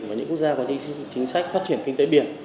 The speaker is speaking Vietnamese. và những quốc gia có những chính sách phát triển kinh tế biển